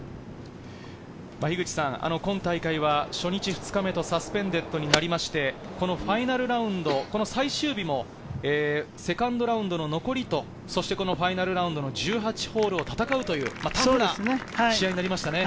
今大会は初日２日目とサスペンデッドになりまして、このファイナルラウンド最終日も、セカンドラウンドの残りと、そしてこのファイナルラウンドの１８ホールを戦うというタフな試合になりましたね。